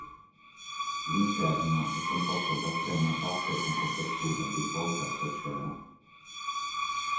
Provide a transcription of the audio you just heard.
L'interno è composto da tre navate con copertura di volte a crociera.